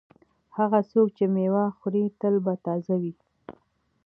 هغه څوک چې مېوه خوري تل به تازه وي.